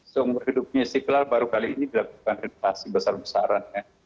seumur hidupnya istiqlal baru kali ini dilakukan renovasi besar besaran